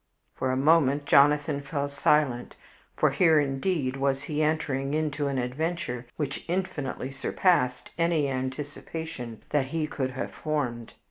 For a few moments Jonathan fell silent, for here, indeed, was he entering into an adventure which infinitely surpassed any anticipation that he could have formed.